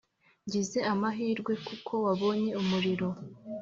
« ngize amahirwe kuko wabonye umuriro,